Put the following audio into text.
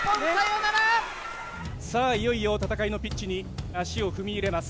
さあ、いよいよ戦いのピッチに足を踏み入れます。